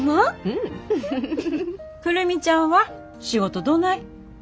久留美ちゃんは仕事どない？